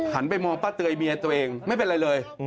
ไปมองป้าเตยเมียตัวเองไม่เป็นไรเลย